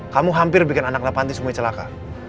kamu hampir bikin anaknya panti semuanya celaka